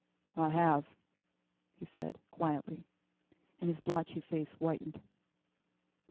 "I have," he said, quietly, and his blotchy face whitened.